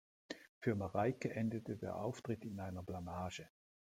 Für Mareike endete der Auftritt in einer Blamage.